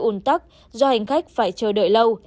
ủn tắc do hành khách phải chờ đợi lâu